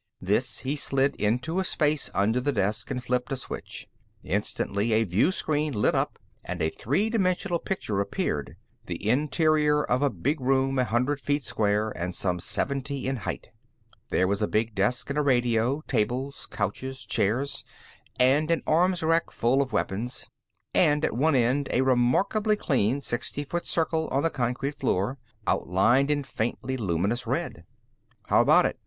This he slid into a space under the desk and flipped a switch. Instantly, a view screen lit up and a three dimensional picture appeared the interior of a big room a hundred feet square and some seventy in height. There was a big desk and a radio; tables, couches, chairs and an arms rack full of weapons, and at one end, a remarkably clean sixty foot circle on the concrete floor, outlined in faintly luminous red. "How about it?"